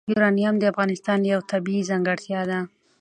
یورانیم د افغانستان یوه طبیعي ځانګړتیا ده.